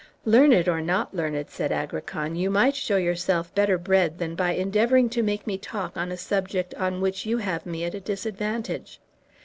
"Learned or not learned," said Agrican, "you might show yourself better bred than by endeavoring to make me talk on a subject on which you have me at a disadvantage.